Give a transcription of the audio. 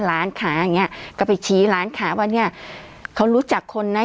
ร้านค้าอย่างเงี้ยก็ไปชี้ร้านค้าว่าเนี้ยเขารู้จักคนนะ